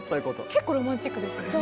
結構ロマンチックですよね。